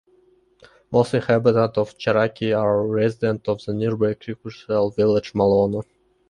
Most inhabitants of Charaki are residents of the nearby agricultural village Malona.